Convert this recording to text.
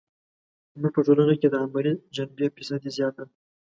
زموږ په ټولنه کې یې د عملي جنبې فیصدي زیاته ده.